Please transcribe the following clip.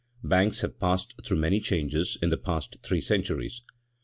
_ Banks have passed through many changes in the past three centuries.